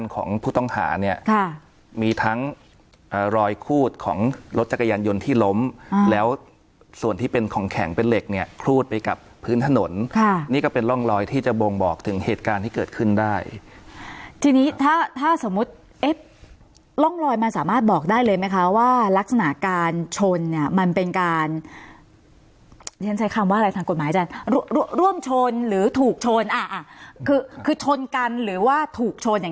ของผู้ต้องหาเนี่ยค่ะมีทั้งรอยครูดของรถจักรยานยนต์ที่ล้มแล้วส่วนที่เป็นของแข็งเป็นเหล็กเนี่ยครูดไปกับพื้นถนนค่ะนี่ก็เป็นร่องรอยที่จะบ่งบอกถึงเหตุการณ์ที่เกิดขึ้นได้ทีนี้ถ้าถ้าสมมุติเอ๊ะร่องรอยมันสามารถบอกได้เลยไหมคะว่ารักษณะการชนเนี่ยมันเป็นการเรียนใช้คำว่าอะไรทางกฎหมายอาจารย์ร่วมชนหรือถูกชนอ่ะคือคือชนกันหรือว่าถูกชนเนี่ย